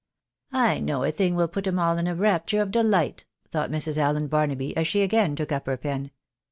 " I know a thing will put 'em all in a rapture of delight," thought JMrs. Allen Barnaby, as she again took up her pen.